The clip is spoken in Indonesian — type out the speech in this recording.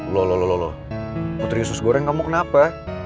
loh loh loh loh putri usus goreng kamu kenapa